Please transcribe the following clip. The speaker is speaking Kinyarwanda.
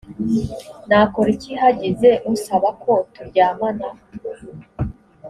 nakora iki hagize unsaba ko turyamana